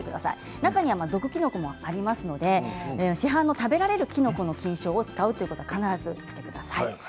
中には毒きのこもありますので市販の食べられるきのこの菌床を使うということを必ずしてください。